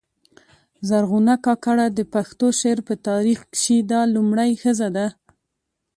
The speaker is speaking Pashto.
زرغونه کاکړه د پښتو شعر په تاریخ کښي دا لومړۍ ښځه ده.